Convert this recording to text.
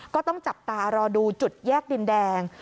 ก็ต้องจับตารอดูจุดแยกดินแดง